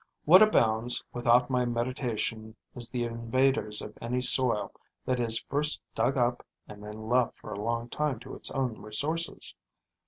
What abounds without my mediation is the invaders of any soil that is first dug up and then left for a long time to its own resources.